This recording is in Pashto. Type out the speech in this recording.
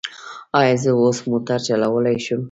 ایا زه اوس موټر چلولی شم؟